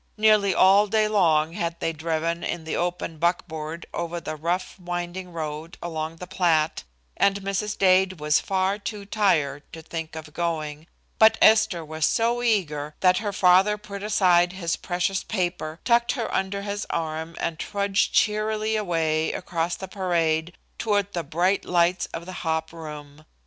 Nearly all day long had they driven in the open buckboard over the rough, winding road along the Platte, and Mrs. Dade was far too tired to think of going, but Esther was so eager that her father put aside his precious paper, tucked her under his arm and trudged cheerily away across the parade toward the bright lights of the hop room.